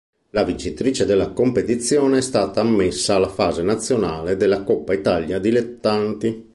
La vincitrice della competizione è stata ammessa alla fase nazionale della Coppa Italia Dilettanti.